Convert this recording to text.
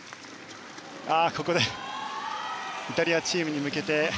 ここでイタリアチームに向けて。